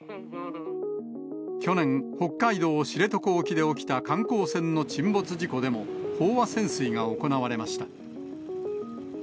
去年、北海道知床沖で起きた観光船の沈没事故でも飽和潜水が行われました。